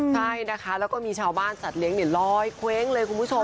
ใช่นะคะแล้วก็มีชาวบ้านสัตว์ลอยเคว้งเลยคุณผู้ชม